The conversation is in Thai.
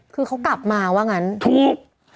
คือเขากลับมาว่างั้นถูก